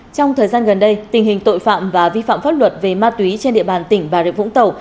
trong thời gian gần đây tình hình tội phạm và vi phạm pháp luật về ma túy trên địa bàn tỉnh bà rịa vũng tàu